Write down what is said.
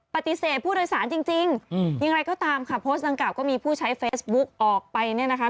ปฏิเสธผู้โดยสารจริงอย่างไรก็ตามค่ะโพสต์ดังกล่าก็มีผู้ใช้เฟซบุ๊กออกไปเนี่ยนะคะ